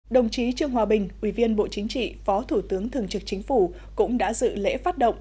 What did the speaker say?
đồng chí trương hòa bình ủy viên bộ chính trị phó thủ tướng thường trực chính phủ cũng đã dự lễ phát động